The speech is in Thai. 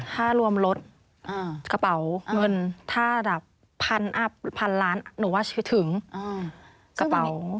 ถ้ารวมรถกระเป๋าเงินถ้าระดับ๑๐๐๐ล้านหนูว่าถึงกระเป๋าอีก